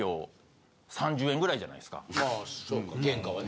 まあそうか原価はね。